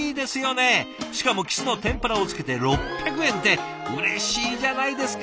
しかもきすの天ぷらをつけて６００円ってうれしいじゃないですか！